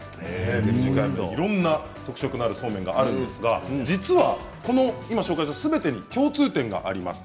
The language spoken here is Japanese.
いろいろな特色があるそうめんがあるんですがこれらすべてに共通点があります。